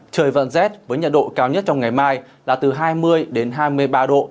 trời vẫn rét với nhiệt độ cao nhất trong ngày mai là từ hai mươi đến hai mươi ba độ